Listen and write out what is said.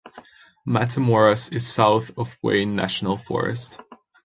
Matamoras is south of Wayne National Forest.